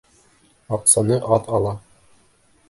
Аҡсаны аҙ алам.